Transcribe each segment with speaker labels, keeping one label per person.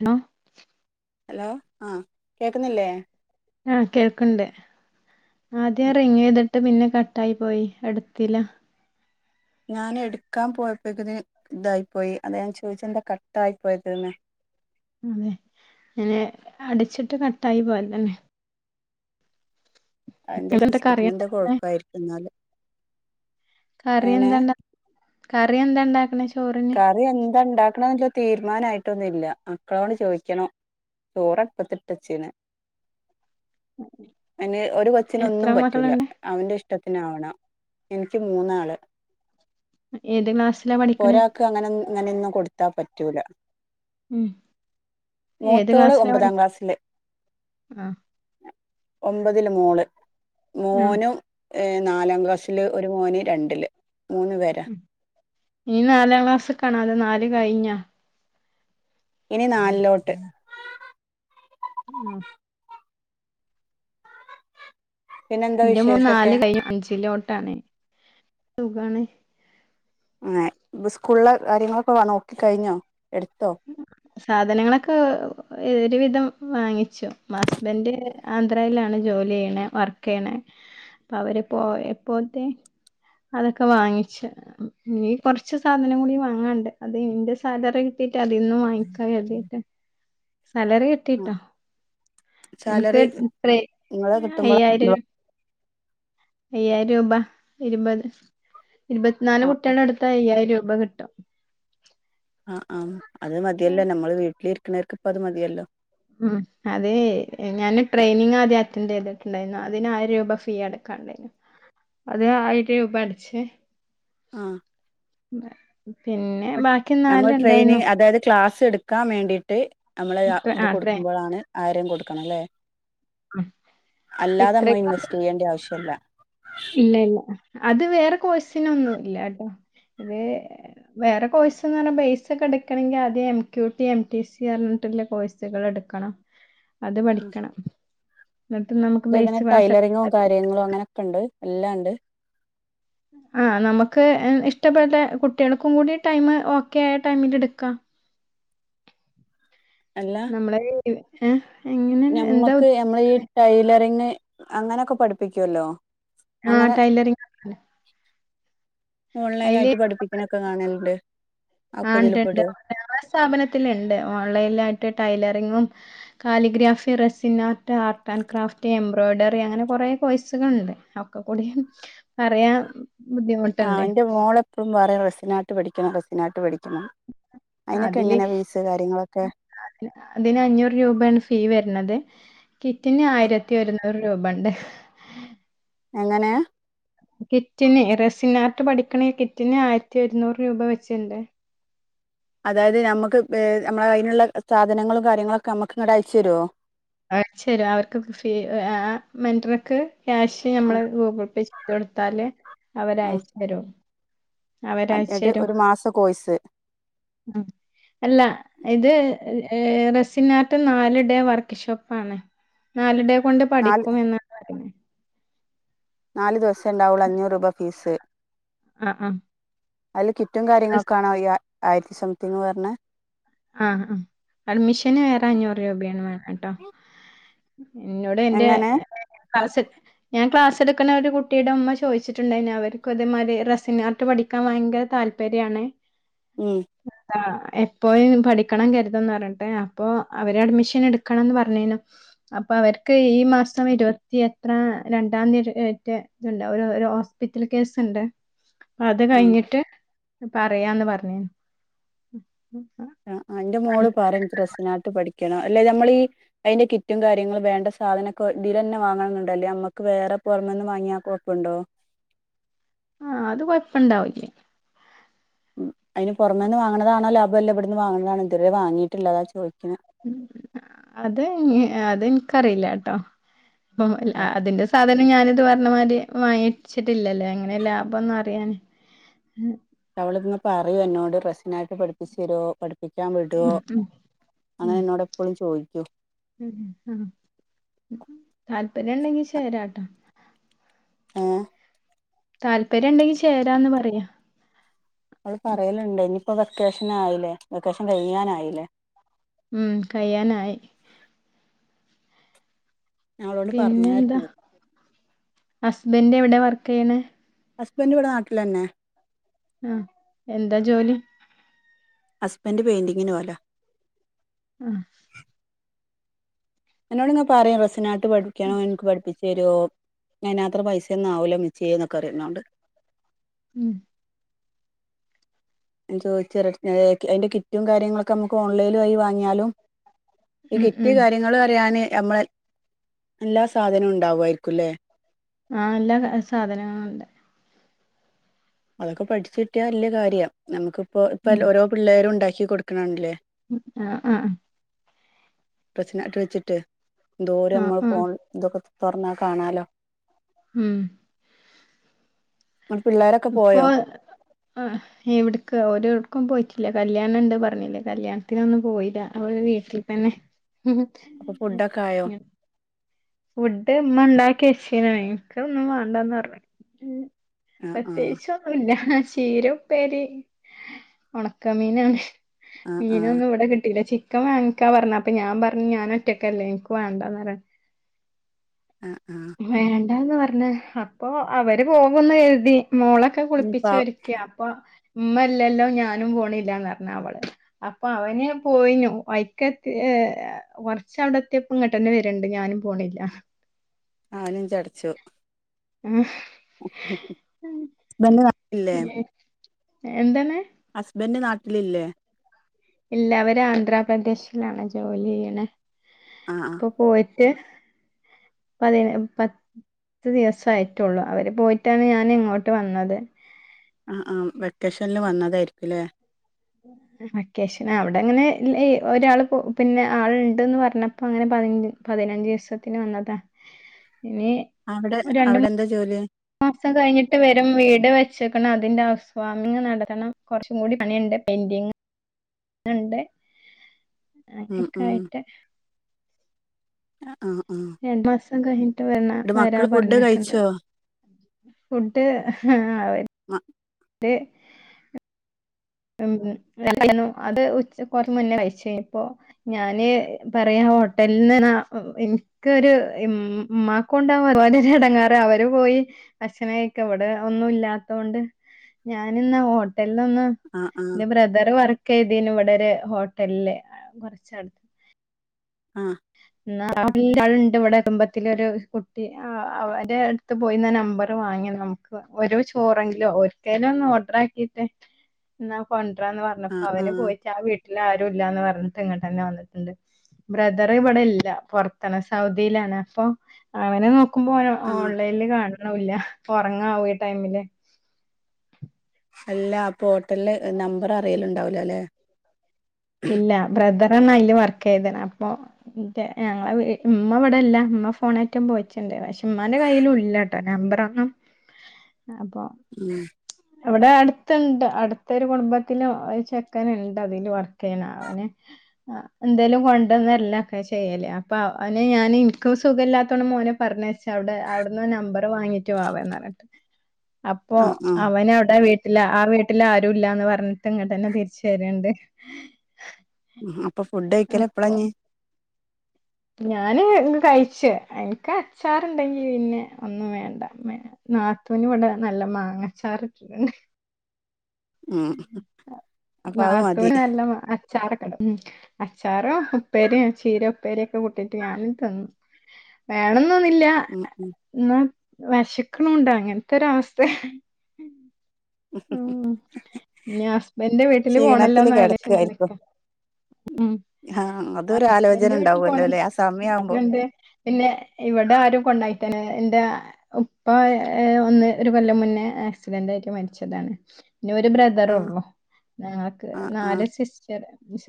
Speaker 1: Hello
Speaker 2: hello ആഹ് കേക്കുന്നില്ലേ
Speaker 1: ആഹ് കേൾക്ക്ണ്ട് ആദ്യെ [unintelligible] ത് ഇട്ട് പിന്നെ കട്ടായി പോയി എടുത്തില്ല
Speaker 2: ഞാൻ എടുക്കാൻ പോയപ്പോക്കന് ഇതായിപ്പോയി അതാ ഞാൻ ചോദിച്ച എന്താ കട്ടായി പോയതെന്ന്
Speaker 1: അതെ അനെ അടിച്ചിട്ട് കട്ടായി പോയലന്നെ
Speaker 2: എന്റെ
Speaker 1: എന്നിട്ട് കറി എന്താ
Speaker 2: സിസ്റ്റത്തിന്ന്ന്തോ കൊഴപ്പായിരിക്കു എന്നാല്
Speaker 1: കറി
Speaker 2: ഏനെ
Speaker 1: എന്താണ്ടാ കറി എന്താണ്ടാ [inaudible]
Speaker 2: കറി എന്താണ്ടാ ക്ക്ണ യ്ച്ച തീരുമാനായിട്ടൊന്നും ഇല്ല അക്കളോണ്ട് ചോദിക്കണം ചോറ്ടുപ്പത്തിട്ട്ച്ചീണ് അയ്ന് ഒരു കൊച്ചിന്
Speaker 1: എത്ര
Speaker 2: ഒന്നും പറ്റൂല്ല
Speaker 1: മക്കളുണ്ട്
Speaker 2: അവന്റെ ഇഷ്ടത്തി ത്തിനാവണം എനിക്ക് മൂന്നാള്
Speaker 1: ഏത് ക്ലാസ്സിലാ
Speaker 2: ഇപ്പൊ
Speaker 1: പഠിക്ക്ണേ?
Speaker 2: ഒരാൾക്ക് അങ്ങനെ അങ്ങനെയൊന്നും കൊടുത്താ പറ്റൂല
Speaker 1: ഉം ഏത്
Speaker 2: മൂത്തോള്
Speaker 1: ക്ലാസിലാ പഠി
Speaker 2: ഒമ്പതാം ക്ലാസ്സില്
Speaker 1: ആഹ്
Speaker 2: ഒമ്പതില് മോള്
Speaker 1: ആഹ്
Speaker 2: മോനും നാലാം ക്ലാസ്സില് ഒരു മോന് രണ്ടില് മൂന്ന് പേരാ
Speaker 1: ഇനീ നാലാം ക്ലാസ്ക്കാണാ അതോ നാല് കഴിഞ്ഞാ
Speaker 2: ഇനി നാലിലോട്ട്
Speaker 1: ആഹ്
Speaker 2: പിന്നെന്താ
Speaker 1: എന്റെ മോൻ
Speaker 2: വിശേഷൊക്കെ
Speaker 1: നാല് കഴിഞ്ഞു അഞ്ചിലോ ട്ടാണ് സുഖാണ്
Speaker 2: ഏഹ് സ്കൂളിലെ കാര്യങ്ങളൊക്കെ നോക്കി കഴിഞ്ഞോ എടുത്തോ
Speaker 1: സാധനങ്ങളൊക്കെ ഏഹ് ഒരു വിധം വാങ്ങിച്ചു ഹസ്ബൻഡ് ആന്ധ്രയിലാണ് ജോലി ചെയ്യണ വർക്ക് ചെയ്യണേ അവര്പ്പോ എപ്പോത്തെ അതൊക്കെ വാങ്ങിച്ചു ഇനി കൊറച്ച് സാധനം കൂടി വാങ്ങാണ്ട് അത് ഇന്റെ സാലറി കിട്ടീട്ട് അതിന്ന് വാങ്ങിക്കാ കര്തിട്ട് സാലറി
Speaker 2: ആ
Speaker 1: കിട്ടിട്ടോ എനിക്ക്
Speaker 2: സാലറി
Speaker 1: ത്ര
Speaker 2: നിങ്ങളെ കിട്ടുമ്പോൾ
Speaker 1: അയ്യായിരം അയ്യായിരം രൂപ ഇരുപത് ഇരുപത്തിനാല്
Speaker 2: ആ
Speaker 1: കുട്ടികളുടെടുത്ത അയ്യായിരം [unintelligible] കിട്ടും
Speaker 2: ആഹ് ആഹ് അത് മതിയല്ല നമ്മള് വീ [unintelligible] അത് മതിയല്ലോ
Speaker 1: ഉം അതേ ഞാന് ട്രെയിനിങ് ആദ്യം അറ്റൻഡ് ചെയ്തിട്ടുണ്ടായിരുന്നു അതിനായിരം രൂപ ഫീ അടക്കാണ്ടായിരുന്നു അത് ആയിരം രൂപ അടച്ച്
Speaker 2: ആഹ്
Speaker 1: [unintelligible]
Speaker 2: അപ്പട്
Speaker 1: ബാക്കി
Speaker 2: നമ്മൾ
Speaker 1: നാലുണ്ടായിരുന്നു
Speaker 2: ട്രെയിനിങ് അതായത് ക്ലാസ് എടു ക്കാൻ വേണ്ടീട്ട് നമ്മള് അ
Speaker 1: ഇത്ര ആ
Speaker 2: ഇത്
Speaker 1: അത്രേ
Speaker 2: കൊടുക്കുമ്പോഴാണ് ആയിരം കൊടുക്കണല്ലേ
Speaker 1: ഉം.
Speaker 2: അല്ലാതെ അമ്മ
Speaker 1: ഇത്രയൊക്കെ
Speaker 2: ഇൻവെസ്റ്റ് ചെയ്യേണ്ടി ആവശ്യില്ല.
Speaker 1: ഇല്ല ഇല്ല അത് വേറെ കോഴ്സിനൊന്നും ഇല്ലാട്ടോ. ഇത് വേറെ കോഴ്സന്ന് പറഞ്ഞ ബേസ് ഒക്കെ എടുക്കണങ്കിൽ ആദ്യം M. Q. T, M. T. C പറഞ്ഞിട്ടുള്ള കോഴ്സുകൾ എടുക്കണം അത് പഠിക്കണം എന്നിട്ട് നമുക്ക്
Speaker 2: [unintelligible]
Speaker 1: ബേസ്
Speaker 2: ഇങ്ങനെ
Speaker 1: ക്ലാസ്
Speaker 2: ടൈലറിങ്ങും കാര്യങ്ങളും അങ്ങനെയൊക്കെ ഇണ്ട് എല്ലാണ്ട്
Speaker 1: ആ നമുക്ക് ഇഷ്ടപ്പെട്ട കുട്ടികൾക്കും കൂടി ടൈമ് ഓക്കെ ആയ ടൈമില് എടുക്കാ
Speaker 2: എല്ലാ
Speaker 1: നമ്മളെ [unintelligible] ഏഹ് എങ്ങനെയാണ് എന്താ
Speaker 2: ഞമ്മക്ക് ഞമ്മള ഈ
Speaker 1: ഉദ്ദേശിക്കുന്നത്?
Speaker 2: ടൈലറിങ് അങ്ങനെക്കെ പഠിപ്പിക്കുല്ലോ
Speaker 1: ആഹ് ടൈലറി [unintelligible]
Speaker 2: ഓൺലൈനായിട്ട് പഠിപ്പിക്കണൊക്കെ കാണലുണ്ട്
Speaker 1: ആ
Speaker 2: അതൊക്കെ ഇതില്
Speaker 1: ണ്ട്ണ്ട്
Speaker 2: പെടുവോ
Speaker 1: വേറെ സ്ഥാപനത്തില്ണ്ട് ഓൺലൈനിലായിട്ട് ടൈല് എങ്ങും calligraph, resin art art and craft embroidery അങ്ങനെ കുറെ കോഴ്സുകളുണ്ട് ഒക്കെ കൂടി പറയാ
Speaker 2: ആഹ് എന്റെ മോളെപ്പഴും പറയും റെസിനാട്ട് പഠി ക്കണം റെസിനാട്ട് പഠി
Speaker 1: അതില്
Speaker 2: കാര്യങ്ങളൊക്കെ
Speaker 1: അതിന് അഞ്ഞൂറ് രൂപയാണ് ഫീ വരണത് കിറ്റിന് ആയിരത്തി ഒരുന്നൂറ് രൂപുണ്ട്
Speaker 2: എങ്ങനെയാ
Speaker 1: കിറ്റിന് റെസിനാർട്ട് പഠിക്കണ കിറ്റിന് ആയിരത്തി ഒരുന്നൂറ് രൂപ വെച്ച്ണ്ട്
Speaker 2: അതായത് നമ്മുക്ക് ഏഹ് നമ്മള അയിനൊള്ള സാധനങ്ങളും കാര്യങ്ങളൊക്കെ നമ്മുക്ക് ഇങ്ങടയച്ചുരുവോ?
Speaker 1: അയച്ചരും അവർക് ഫീ ആഹ് മെന്റർക്ക്‌ ക്യാഷ് നമ്മള് ഗൂഗിൾ പേ ചെ ഇട്ടു കൊടുത്താല്
Speaker 2: ആഹ്
Speaker 1: അവരയച്ച് തരോം
Speaker 2: എന്നിട്ട്
Speaker 1: അവരയച്ചരും
Speaker 2: ഒരു മാസ കോഴ്സ്
Speaker 1: ഉം അല്ല ഇത് ഏഹ് റെസിനാട്ട് നാല് ടെ വർക്ക് ഷോപ്പാണ് നാല് ടെ കൊണ്ട്
Speaker 2: നാല്
Speaker 1: പഠിക്കും എന്നാണ് പറയുന്നേ
Speaker 2: നാലു ദിവസേ ഇണ്ടാവുള്ളൂ അഞ്ഞൂറ് രൂപ ഫീസ്
Speaker 1: ആ ആ
Speaker 2: അല്ല കി റ്റും
Speaker 1: റസ്-
Speaker 2: കാര്യങ്ങൾക്കാണോ ഈ ആ ആയിരത്തി സംതിങ് പറഞ്ഞെ
Speaker 1: ആഹ് ഹ് അഡ്മിഷന് വേറെ അഞ്ഞൂറ് രൂപയാണ് വേണം ട്ടോ എന്നോട് എന്റെ
Speaker 2: എങ്ങനെ
Speaker 1: ക്ലാസ് ഞാൻ ക്ലാസ് എടുക്കുന്ന ഒരു കുട്ടിയുടെ അമ്മ ചോദിച്ചിട്ടുണ്ടായി അവർക്കും ഇതേ മാതിരി റെസിംഗ ആർട്ട് പഠിക്കാൻ ഭയങ്കര താല്പര്യണ
Speaker 2: ഉം
Speaker 1: എ പ്പോയി പഠിക്കണം കരുതന്ന് പറഞ്ഞട്ടെ അപ്പൊ അവര് അഡ്മിഷൻ എടുക്കണംന്ന് പറഞ്ഞിനു അപ്പൊ അവർക്ക് ഈ മാസം ഇരുപത്തി എത്ര രണ്ടാം തീയതി ഇറ്റ് ഒരു ഹോസ്പിറ്റൽ കേസ് ഉണ്ട് അത്
Speaker 2: ആഹ്
Speaker 1: കഴിഞ്ഞിട്ട് പറയാന്ന് പറഞ്ഞേനു
Speaker 2: ആ എന്റെ മോള് പറഞ്ഞ് റ സിനാട്ട് പഠിക്ക അല്ലെ നമ്മൾ ഈ അതിന്റെ കിറ്റും കാര്യങ്ങളും വേണ്ട സാധനൊക്കെ ഇതില തന്നെ വാങ്ങണം എന്നുണ്ടോ അല്ലെ നമ്മുക്ക് വേറെ പുറമന്ന് വാങ്ങിയാൽ കുഴപ്പുണ്ടോ
Speaker 1: ആ അത് കൊഴപ്പ ഇണ്ടാവില്ലേ
Speaker 2: ഉ അതിന് പുറമേ നിന്ന് വാങ്ങണതാണോ ലാഭമല്ല ഇവിടുന്ന് വാണതാണോ ഇതുവരെ വാങ്ങീട്ടില്ലാതാ ചോദിക്കുന്നെ
Speaker 1: അത് അത് എനിക്കറിയില്ല ട്ടോ അതിന്റെ സാധ അ ഞാനിത് പറഞ്ഞ മാതിരി വാങ്ങിച്ചിട്ടില്ലല്ലേ അങ്ങനെ ലാഭം ഒന്നും അറിയാന്
Speaker 2: അവളന്ന പറയൂ എന്നോട് റസ് നായിട്ട് പഠിപ്പിച്ചു യരോ പഠിപ്പിക്കാൻ വിടോ
Speaker 1: ഉം
Speaker 2: അങ്ങന
Speaker 1: ഉം
Speaker 2: എന്നോട് എപ്പളും ചോദിക്കു
Speaker 1: ഉം ഉം, ഉം. താല്പര്യം ഉണ്ടെങ്കി ചേരാട്ടോ
Speaker 2: ഏഹ്
Speaker 1: താല്പര്യം ഉണ്ടെങ്കി ചേരാന്ന് പറയാ
Speaker 2: അവള് പറയലണ്ട് ഇനിയിപ്പോ വെക്കേഷൻ ആയില്ലേ വെക്കേഷൻ കഴിയാനായില്ലേ
Speaker 1: ഉം കഴ്യാനായി
Speaker 2: ഞാൻ അവളോട്
Speaker 1: പിന്നെ എന്താ
Speaker 2: പറഞ്ഞായിരുന്നു
Speaker 1: ഹാസ് ബൻഡ് എവിടെ വർക്ക് ചെയ്യണ്
Speaker 2: ഹസ്ബൻഡ് ഇവിടെ നാട്ടിലന്നെ
Speaker 1: ആ എന്താ ജോലി
Speaker 2: ഹസ്ബന്ഡ് പെയിന്റിങ്ങിിനു പോവലാ
Speaker 1: ആഹ്
Speaker 2: എന്നോടിനു പറയുംം റസിനാ് പഠിക്കണോ എനിക് പഠിപ്പി ചെറോ ഞൻത്ര പൈസ ഒന്നും അവുല അമ്മച്ചിയെ എന്നൊക്കെ അറിയുന്നോണ്ട്
Speaker 1: ഉം
Speaker 2: ചോദിച്ചറി അതിന്റെ കിറ്റും കാര്യങ്ങളൊക്കെ നമുക്ക് ഓൺലൈന ആയി വാങ്ങിയാലും ഈ
Speaker 1: ഉം
Speaker 2: കിറ്റ്
Speaker 1: ഉം
Speaker 2: കാര്യങ്ങൾ പറയാന് നമ്മളെ എല്ലാ സാധനവും ഉണ്ടാവുായിരിക്കുംല്ലേ
Speaker 1: അ എല്ലാ സാധനങ്ങളുണ്ട്
Speaker 2: അതൊക്കെ പഠിച്ചു കിട്ടിയാല് നല്ല കാര്യം നമുക്ക് ഇപ്പോ ഇപ്പ ഓരോ പിള്ളേും ഉണ്ടാ ക്ക് കൊടുക്കണ കണ്ടിലെ
Speaker 1: ആ അ
Speaker 2: പസ്നാട്ടവെച്ചിട്ട് ദൂരെ
Speaker 1: ആഹ്
Speaker 2: നമ്മൾ പോ
Speaker 1: ആഹ്
Speaker 2: ഇതൊക്കെ തുറന്ന കാണാലോ
Speaker 1: ഉം
Speaker 2: നമ്മുടെ പിള്ളേരൊക്കെ
Speaker 1: ഇപ്പൊ
Speaker 2: പോയോ
Speaker 1: ഏഹ് എവിടക്ക് ഓരോർക്കും പോയിട്ട ഇല്ല കല്യാണണ്ട് പറഞ്ഞില്ലേ കല്യാണത്തിനൊന്നും പോയില്ല അവര് വീട്ടിൽ തന്നെ മ്മ്
Speaker 2: അപ്പൊ ഫുഡൊക്കെ ആയോ
Speaker 1: ഉ ഫുഡ്മ്മ ഉണ്ടാക്കിച്ചീന എനിക്ക് ഒന്നും വേണ്ടന്ന് പറഞ്
Speaker 2: ആ ആ
Speaker 1: പ്രതേകിച്ചൊന്നുല ചീര ഉപ്പരി ഉണക്കമീനാണ്
Speaker 2: ആ ആ
Speaker 1: മീനൊന്നും ഇവിടെ കിട്ടില്ല ചി ക്കെ വാങ്ങിക്കാ പറഞ്ഞ് അപ്പൊ ഞാൻ പറഞ് ഞൻ ഒറ്റൊക്കല്ലേ എനിക്ക് വേണ്ടാന്ന പറ-
Speaker 2: അഹ്
Speaker 1: ഹേ [unintelligible] ഞാൻ ന്ന് പറഞ്ഞ അപ്പൊ അവര് പോകുന്നു എഴുതി മോളൊക്കെ
Speaker 2: ഇനിയിപ്പോ
Speaker 1: കുളിപ്പിച്ചൊരുക്കിയ അപ്പൊ ഉമ്മല്ലല്ലോ ഞാനും പോണില്ലാന്ന് പറഞ് അവള് അപ്പൊ അവന് പോയിനു വൈക്കത്തി ഏഹ് കുറച്ചവിടത്തിപ്പോ ഇങ്ങോട്ടന്നെ വരുണ്ട് ഞാനും പോണില്ല.
Speaker 2: അവനും ചടച്ചു
Speaker 1: ഉം
Speaker 2: [unintelligible]
Speaker 1: എന്താണ്
Speaker 2: ഹസ്ബൻഡ് നാട്ടിലില്ലേ?
Speaker 1: ഇല്ല അവര് ആന്ധ്രാപ്രദേശിലാണ് ജോലി ചെയ്യണ്.
Speaker 2: ആഹ്
Speaker 1: ഇപ്പൊ പോയി റ്റ് പത്ത് ദിവസായിട്ടുള്ളൂ അവര് പോയിട്ടാണ് ഞാൻ ഇങ്ങോട്ട് വന്നത്.
Speaker 2: ആ ആ വെക്കേഷനിൽ വന്നതായിരിക്കുംല്ലേ?
Speaker 1: വെക്കേഷൻ അവിടെ അങ്ങനെ ഒരാൾ പിന്നെ ആളുണ്ട്ന്ന് പറഞ്ഞപ്പോ അങ്ങനെ പതിന പതിനഞ്ച് ദിവസത്തിന് വന്നതാ. ഇനി
Speaker 2: അവിടെ
Speaker 1: രണ്ട്
Speaker 2: അവിടെ എന്താ ജോലി?
Speaker 1: മാസം കഴിഞ്ഞിട്ട് വരും വീട് വെച്ചക്കണ് അതിന്റെ ഹൗസ് വാമിംഗ് നടത്തണം കുറച്ചും കൂടി പണിയുണ്ട് പെയിന്റിങ് ണ്ട് അങ്ങനക്കെ ആയിട്ട്
Speaker 2: ആ
Speaker 1: എന്ത് [unintelligible] [unintelligible] ട്ട് [unintelligible] വരാ
Speaker 2: മക്കള് ഫുഡ്
Speaker 1: പറഞ്ഞിട്ട്ണ്ട്.
Speaker 2: കഴിച്ചോ
Speaker 1: ഫുഡ് [unintelligible]
Speaker 2: ആഹ്
Speaker 1: [unintelligible] ഉം [unintelligible] അത് ഉച്ച കൊറേ മുന്നേ കയിച്ചുകഴിഞ്ഞപ്പോ ഞാന് പറയാ ഹോട്ടൽന്ന് എനിക്കൊരു ഇമ്മാക്കുണ്ടാകും അതുപോലെരു ഇടങ്ങാറ് അവര് പോയി. ഭക്ഷണം കഴിക്കാൻ ഇവടെ ഒന്നും ഇല്ലാത്തൊണ്ട് ഞാന് ന്നാ ഹോട്ടൽ ന്നൊന്ന്
Speaker 2: ആഹ്
Speaker 1: ഇന്റെ ബ്രദർ വർ കയ്തീന് ഇവിടെ ഒരു ഹോട്ടൽല്. അഅ് കുറച്ചട്
Speaker 2: ആഹ്
Speaker 1: ന്നാ ഹോട്ടൽൻ്റെ ആള്ണ്ട് വടെ കുടുംബത്തിലൊരു കുട്ടി. അവരട്ത്ത് പോയി നമ്പർ വാങ്ങി നമുക്ക് ഒരു ചോറെങ്കിലോ ഒരിക്കയ്നും ഒന്ന് ഓർഡർ ആക്കിട്ട് എന്നാ കൊൻ ണ്ട്രാ ന്ന് പറഞ്ഞപ്പോ
Speaker 2: ആഹ്
Speaker 1: അവന്
Speaker 2: ആഹ്
Speaker 1: പോയിട്ട് ആ വീ ട്ടിലാരും ഇല്ലാന്ന് പറഞ്ഞിട്ട് ഇങ്ങട്ടന്നെ വന്നിട്ട്ണ്ട്. ബ്രദ ദർ ഇവിടെ ഇല്ല. പുറത്താണ് സൗദിയിലാണ് അപ്പം അവനെ നോ ക്കുംമ്പോ ഓനെ
Speaker 2: ആഹ്
Speaker 1: ഓൺലൈനിൽ കാണ ണൂല്ല ഉറങ്ങാവു ഈ ടൈമില്.
Speaker 2: അല്ല അപ്പോ ഹോട്ടൽല് നമ്പർ അറിയല്ണ്ടാവുല ലേ.
Speaker 1: ഇല്ല ബ്രദ റ് ന്നാ അയ്ല് വർക്ക് ചെയ്ത്ണ്. അപ്പൊ ഇൻ്റെ ഞങ്ങളെ ഇമ്മ ഇവിടെല്ല. ഉമ്മ ഫോണറ്റം പോയിറ്റ്ണ്ട്. പക്ഷെ ഉമ്മാന്റെ കയ്യിലൂല്ലാട്ടോ നമ്പറൊന്നും. അപ്പം
Speaker 2: ഉം
Speaker 1: അവിടെ അടുത്ത്ണ്ട്. അടുത്ത ഒരു കുടുംബത്തില് ഒരു ചെക്കൻ ഇണ്ട്. അതിൽ വർക്ക് ചെയ്യണ അവന് എന്തേലും കൊണ്ടന്നരലൊക്കെ ചെയ്യല് അപ്പൊ അവന് ഞാന് ഇൻക്ക് സുഖ ഇല്ലാത്തോണ്ട് മോനെ പറഞ്ഞയച്ചവ്ടെ അവിട്ന്ന് നമ്പർ വാങ്ങീട്ട് വാവേംന്ന് പറഞ്ഞിട്ട് അപ്പൊ
Speaker 2: ആഹ് ആഹ്
Speaker 1: അവന അവിടെ വീട്ടില് ആ വീട്ടിൽ ആരു ഇല്ലന്ന് പറഞ്ഞിട്ട് ഇങ്ങോട്ട്ന്നെ തിരിച്ച് വരണ്ട്
Speaker 2: ആ ഇപ്പൊ ഫുഡ് കഴിക്കല
Speaker 1: അപ്പൊ
Speaker 2: എപ്പളാഞ്ഞേ
Speaker 1: ഞാന് കഴിച്ച് എനിക്ക് അച്ചാറണ്ടെങ്കി പിന്നെ ഒന്നും വേണ്ട നാത്തുന് ഇവിടെ നല്ല മാങ്ങച്ചാർ ഇട്ടിട്ടുണ്ട്
Speaker 2: ഉം അപ്പൊ അത് മതി
Speaker 1: നാത്തൂന നല്ല- അച്ചാറക്കെട ഉ അച്ചാറ് ഉപ്പേരി ചീര ഉപ്പേരിയൊക്കെ കൂട്ടിട്ട് ഞാനും തിന്നു വേണം ഒന്നുമില്ല
Speaker 2: ഉം ഉം
Speaker 1: എന്ന വെശക്കണോണ്ടാ അങ്ങനത്തെൊരു അവസ്ഥ ഉ ഞാൻ ഹസ്ബൻഡിന്റെ വീട്ടില്
Speaker 2: ക്ഷീണത്തില്
Speaker 1: പോണല്ലോന്ന് അലോചിച്ച് ഇങ്ങനെ
Speaker 2: കിടക്കായിരിക്കും
Speaker 1: നിക്കാ
Speaker 2: ആഹ് അതൊരു ആലോചന
Speaker 1: ഹസ്ബൻന്റെ വീട്ടിൽ
Speaker 2: ഉണ്ടാവുമല്ലോ ല്ലേ
Speaker 1: പോണല്ലോ
Speaker 2: ആ സമയാവുമ്പോ
Speaker 1: അതോണ്ട് പിന്നെ ഇവിടെ ആരും കൊണ്ടാക്കി തരാനില്ല എന്റെ ഉപ്പ ഒന്ന് ഒരു കൊല്ലം മുന്നേ ആക്സിഡന്റ് ആയിട്ട് മരിച്ച ച്ചതാണ് പിന്നെ ഒരു
Speaker 2: ആഹ്
Speaker 1: ബ്രദറുള്ളു ഞങ്ങക്ക്
Speaker 2: ആഹ്
Speaker 1: നാല്
Speaker 2: ആഹ്
Speaker 1: സിസ്റ്റർ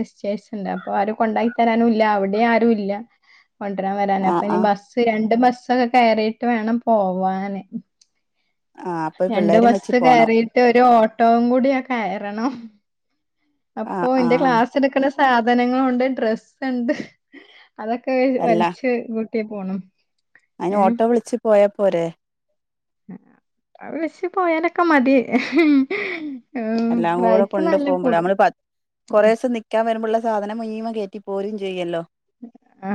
Speaker 1: വിഷേഷൊണ്ട് അപ്പൊ ആരും കൊണ്ടാക്കിത്തരാനുമില്ല അവിടെയും ആരും ഇല്ല കൊണ്ടുവരാം വരാൻ
Speaker 2: ആഹ്
Speaker 1: അപ്പൊ ഇനി
Speaker 2: ആഹ്
Speaker 1: ബസ്സ് രണ്ട് ബസ്- ബസൊക്കെ കയറിയിട്ട് വേണം പോവാന്
Speaker 2: ആഹ് അപ്പൊ
Speaker 1: രണ്ട്
Speaker 2: പിള്ളേരും വെച്ച്
Speaker 1: ബസ്സ്
Speaker 2: പോണം
Speaker 1: കയറിട്ട് ഒരു ഓട്ടോവും കൂടി കയറണം അപ്പോ
Speaker 2: ആഹ്
Speaker 1: എന്റെ
Speaker 2: ആഹ്
Speaker 1: ക്ലാസ് എടുക്കണ സ്ക്കൂ സാധനങ്ങളുണ്ട് ഡ്രസ്സ് ഇണ്ട്. അതൊക്കെ വെ
Speaker 2: അല്ല
Speaker 1: വലിച്ച് [unintelligible] [unintelligible] പോണം
Speaker 2: അയിന്
Speaker 1: ഏഹ്
Speaker 2: ഓട്ടോ വിളിച്ചു പോയാ പോരേ?
Speaker 1: അത് വിളിച്ച് പോയാലൊക്കെ മതി.
Speaker 2: എല്ലാം കൂടെ
Speaker 1: റൈറ്റ്
Speaker 2: കൊണ്ടു
Speaker 1: നല്ല
Speaker 2: പോകുമ്പോളെ
Speaker 1: കൂടും
Speaker 2: നമ്മള് കുറേ ദിവസം നിക്കാൻ വരുമ്പോഴുള്ള- സാധനം മുനീമം കയറ്റി പോരും ചെയ്യല്ലോ
Speaker 1: ആ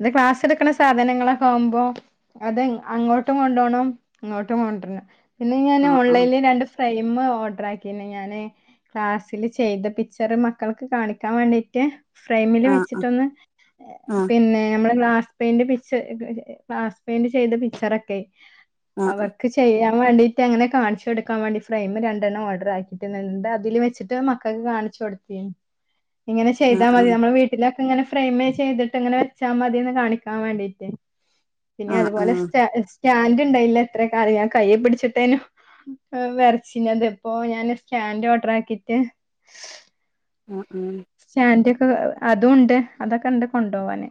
Speaker 1: ഇത് ക്ലാസ് എടുക്കണ സാധനങ്ങളൊക്കെ ആവുമ്പോ അത് അങ്ങോട്ടും കൊണ്ടുപോണം ഇങ്ങോട്ടും കൊണ്ടുവണം പിന്നെ ഞാൻ
Speaker 2: ആഹ് ആഹ്
Speaker 1: ഓൺലൈനിൽ രണ്ട് ഫ്രെയ്മ് ഓർഡർ ആക്കി പിന്നെ ഞാന് ക്ലാസ്സില് ചെയ്ത പിക്ച്ചർ മക്കൾക്ക് കാണിക്കാൻ വേണ്ടീട്ട് ഫ്രെയിമില്
Speaker 2: ആഹ്
Speaker 1: വെച്ചിട്ട്
Speaker 2: ആഹ്
Speaker 1: പിന്നെ നമ്മൾ ഗ്ലാസ് പെയിന്റ് ഗ്ലാസ് പെയിന്റ് ചെയ്ത പിക്ച്ചറൊക്കെ
Speaker 2: ആഹ്
Speaker 1: അവർക്ക് ചെയ്യാം കൊടുക്കാൻ വേണ്ടീട്ട് അങ്ങനെ കാണിച്ചു കൊടുക്കാൻ വേണ്ടി ഫ്രൈയ്മ് രണ്ടെണ്ണം ഓർഡർ ആക്കി ട്ടുണ്ട് എന്നിട്ട് അതില് വെച്ചിട്ട് മക്കൾക്ക് കാണിച്ചു കൊടുത്തി ഇങ്ങനെ
Speaker 2: ആഹ്
Speaker 1: ചെയ്താൽ മതി
Speaker 2: ആഹ്
Speaker 1: നമ്മുടെ വീട്ടിലെ ഇങ്ങനെ ഫ്രെയ്മ് ചെയ്തിട്ടിങ്ങനെ വെച്ചാ മതീന്ന് കാണിക്കാൻ വേണ്ടീട്ട് പിന്നെ
Speaker 2: ആഹ് ആഹ്
Speaker 1: അതുപോലെ സ്‌റ്റ
Speaker 2: ആഹ്
Speaker 1: സ്റ്റാൻഡ് ഉണ്ടായില്ല ഇത്രയും കാലം ഞാൻ കയ്യെ പിടിച്ചിട്ടായിനു വരച്ചിനത് ഇപ്പൊ ഞാന് സ്റ്റാൻഡ് ഓർഡർ ആക്കിട്ട്
Speaker 2: ആ ആഹ
Speaker 1: [unintelligible] അതും ഉണ്ട് അതൊക്കെ ഇണ്ട് കൊണ്ടുപോവാന്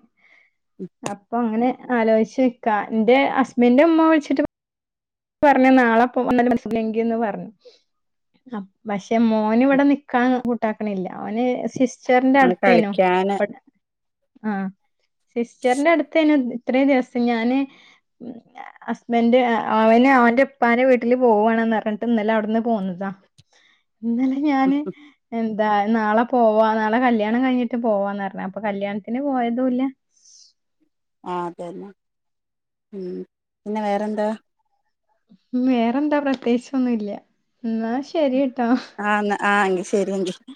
Speaker 1: അപ്പൊ അങ്ങനെ ആലോചിച്ച് നിക്കാ എന്റെ ഹസ്ബൻഡിന്റെ ഉമ്മ വിളിച്ചിട്ട് പറഞ്ഞു നാളെപ്പോ [unintelligible] പറഞ്ഞു പക്ഷെ മോന് ഇവിടെ നിക്കാൻ- കൂട്ടാക്കണില്ല അവന്- സിസ്റ്ററിന്റെ
Speaker 2: നമ്മള്
Speaker 1: അടുത്തേനു
Speaker 2: കളിക്കാന്
Speaker 1: [unintelligible] - ആഹ് സിസ്റ്ററിന്റെ അടുത്തേന്ന ഇത്രേം ദിവസം ഞാന് ഹസ്ബൻഡ് അവന് അവന്റെ ഇപ്പാന്റെ വീട്ടില് പോവണന്ന് പറഞ്ഞിട്ട് ഇന്നലെ അവിടുന്ന് പോന്നതാ ഇന്നലെ ഞാന് എ അതാ നാളെ പോവാ നാളെ കല്യാണം കഴിഞ്ഞിട്ട് പോവാന്ന് പറഞ്ഞു അപ്പൊ കല്യാണത്തിന് പോയതൂല്ല-
Speaker 2: ആ അതന്നെ ഉം പിന്നെ വേറെന്താ
Speaker 1: വേറെന്താ പ്രത്യേകിച്ച ഒന്നുല്ല എന്നാ ശരി ട്ടാ
Speaker 2: ആ എങ്കി ശരി എങ്കി